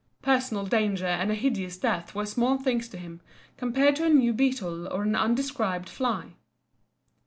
Personal danger and a hideous death were small things to him compared to a new beetle or an undescribed fly.